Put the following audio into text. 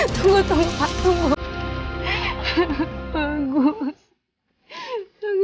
tunggu tunggu pak tunggu